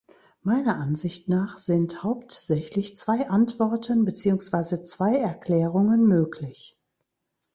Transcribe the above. Meiner Ansicht nach sind hauptsächlich zwei Antworten beziehungsweise zwei Erklärungen möglich.